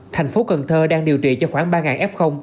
thành phố cần thơ đang điều trị cho khoảng ba f